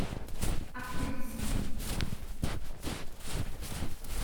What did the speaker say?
Partez d’ici.